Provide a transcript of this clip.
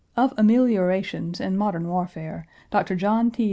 Of ameliorations in modern warfare, Dr. John T.